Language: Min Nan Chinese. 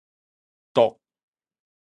剁